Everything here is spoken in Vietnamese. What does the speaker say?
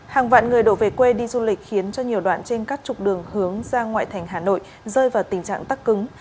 hàng vạn người đổ về quê đi du lịch khiến cho nhiều đoạn trên các trục đường hướng ra ngoại thành hà nội rơi vào tình trạng tắc cứng